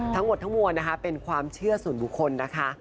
ทั้งหมดทั้งมวลนะคะเป็นความเชื่อส่วนบุคคลนะคะ